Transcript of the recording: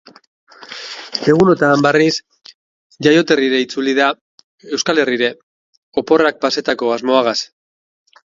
Egunotan, berriz, jaioterrira itzuli da euskal herrira, oporrak pasatzeko asmoarekin.